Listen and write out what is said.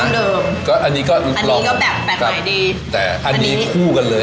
เดิมก็อันนี้ก็อันนี้ก็แบบแปลกใหม่ดีแต่อันนี้คู่กันเลย